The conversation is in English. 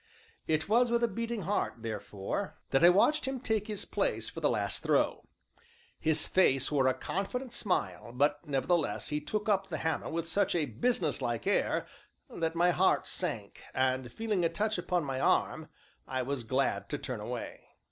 It was with a beating heart, therefore, that I watched him take his place for the last throw. His face wore a confident smile, but nevertheless he took up the hammer with such a businesslike air that my heart sank, and, feeling a touch upon my arm, I was glad to turn away.